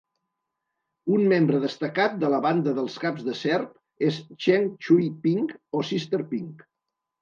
Un membre destacat de la banda dels caps de serp és Cheng Chui Ping o "Sister Ping".